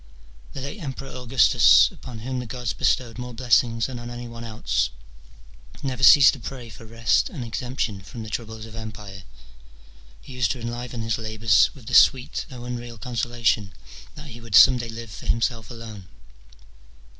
The late Emperor Augustus, upon whom the gods bestowed more blessings than on any one else, never ceased to pray for rest and exemption from the troubles of empire : he used to enliven his labours with this sweet, though unreal consolation, that he would some day live for himself alone.